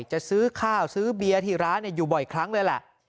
จะซื้อข้าวซื้อเบียร์ที่ร้านอยู่บ่อยครั้งเลยแหละ